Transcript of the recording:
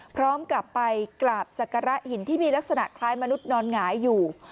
พร้อมกับไปกราบศักระหินที่มีลักษณะคล้ายมนุษย์นอนหงายอยู่